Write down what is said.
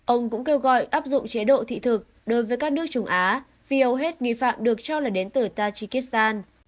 ông cũng kêu gọi áp dụng chế độ thị thực đối với các nước trung á vì hầu hết nghi phạm được cho là đến từ tajikistan